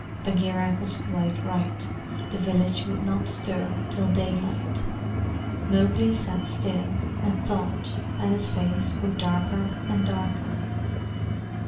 Bagheera was quite right; the village would not stir till daylight. Mowgli sat still, and thought, and his face grew darker and darker.